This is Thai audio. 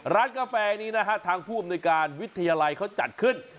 กาแฟนี้นะฮะทางผู้อำนวยการวิทยาลัยเขาจัดขึ้น